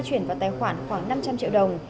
chuyển vào tài khoản khoảng năm trăm linh triệu đồng